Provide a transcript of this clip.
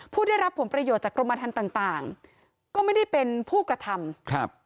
ผู้ได้รับผลประโยชน์จากกรมธรรมต่างต่างก็ไม่ได้เป็นผู้กระทำครับ